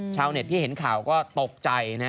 ชาวเน็ตที่เห็นข่าวก็ตกใจนะ